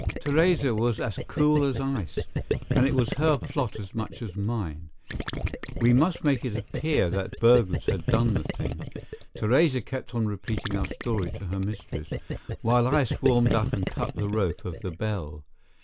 Theresa was as cool as ice, and it was her plot as much as mine. We must make it appear that burglars had done the thing. Theresa kept on repeating our story to her mistress, while I swarmed up and cut the rope of the bell.